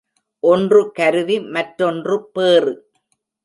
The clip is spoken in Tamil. ஒன்று கருவி மற்றொன்று பேறு.